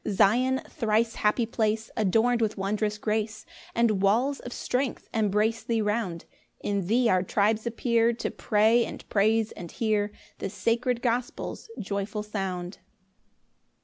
2 Zion, thrice happy place, Adorn'd with wondrous grace, And walls of strength embrace thee round; In thee our tribes appear To pray, and praise, and hear The sacred gospel's joyful sound.